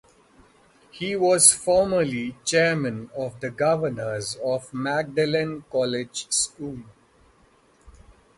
He was formerly Chairman of the Governors of Magdalen College School.